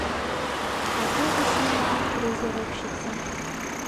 А теве Сима, фрезеровщица.